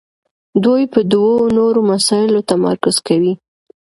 دوی پر دوو نورو مسایلو تمرکز کوي.